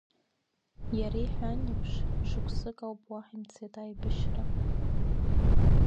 Иара иҳәан еиԥш, шықәсыкоуп уаҳа имцеит аибашьра.